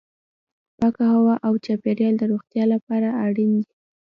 پاکه هوا او چاپیریال د روغتیا لپاره اړین دي.